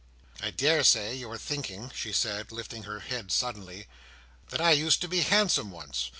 "I daresay you are thinking," she said, lifting her head suddenly, "that I used to be handsome, once.